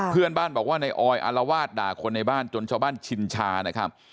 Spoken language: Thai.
เพื่อนบ้านบอกว่าในออยอารวาสด่าคนในบ้านจนชาวบ้านชินชานะครับ